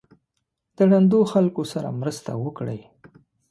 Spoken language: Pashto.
د ړندو خلکو سره مرسته وکړئ.